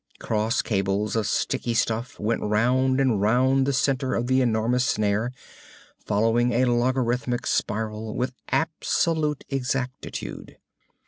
Crosscables of sticky stuff went round and round the center of the enormous snare, following a logarithmic spiral with absolute exactitude.